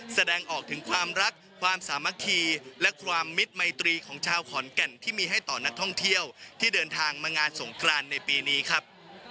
แสดงออกถึงความรักความสามัคคีและความมิตรมัยตรีของชาวขอนแก่นที่มีให้ต่อนักท่องเที่ยวที่เดินทางมางานสงกรานในปีนี้ครับ